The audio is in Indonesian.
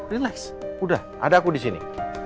relax udah ada aku disini